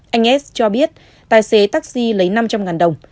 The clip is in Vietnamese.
anh es cho biết tài xế taxi lấy năm trăm linh đồng